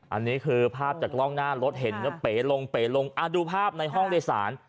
อันนี้คือภาพจากกล้องหน้ารถเห็นก็เป๋ลงเป๋ลงดูภาพในห้องโดยสาร